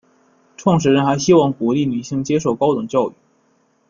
创始人还希望鼓励女性接受高等教育。